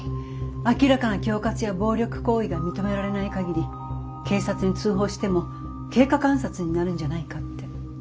明らかな恐喝や暴力行為が認められない限り警察に通報しても経過観察になるんじゃないかって。